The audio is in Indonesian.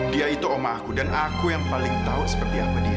dia itu oma aku dan aku yang paling tahu seperti apa dia